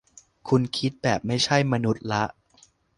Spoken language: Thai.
คุณคิดแบบไม่ใช่มนุษย์ละ